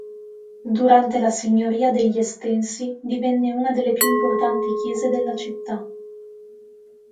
Durante la signoria degli Estensi divenne una delle più importanti chiese della città.